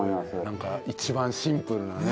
なんか一番シンプルなね。